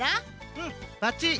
うんバッチリ！